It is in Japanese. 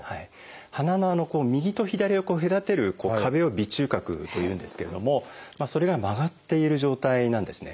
鼻の右と左を隔てる壁を鼻中隔というんですけれどもそれが曲がっている状態なんですね。